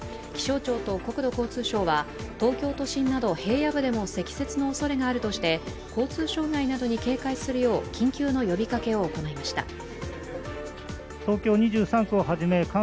気象庁と国土交通省は、東京都心など平野部でも積雪のおそれがあるとして交通障害などに警戒するよう緊急の呼びかけを行いました。